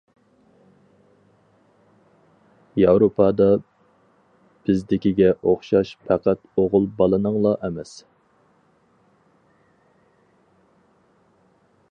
ياۋروپادا بىزدىكىگە ئوخشاش پەقەت ئوغۇل بالىنىڭلا ئەمەس.